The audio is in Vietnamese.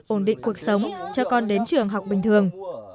ổn định cuộc sống cho con đến trường học bình thường